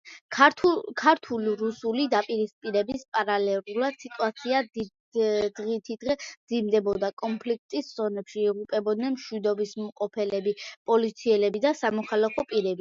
ქართულ–რუსული დაპირისპირების პარალელურად სიტუაცია დღითიდღე მძიმდებოდა კონფლიქტის ზონებში, იღუპებოდნენ მშვიდობისმყოფელები, პოლიციელები და სამოქალაქო პირები.